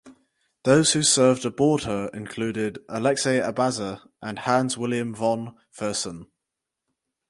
Those who served aboard her included Alexey Abaza and Hans William von Fersen.